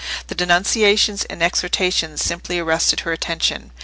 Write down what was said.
The denunciations and exhortations simply arrested her attention.